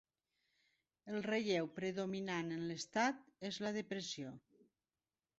El relleu predominant en l'estat és la depressió.